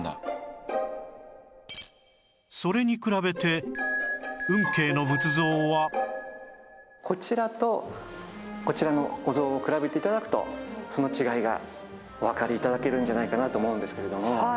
それに比べて運慶の仏像はこちらとこちらのお像を比べて頂くとその違いがおわかり頂けるんじゃないかなと思うんですけれども。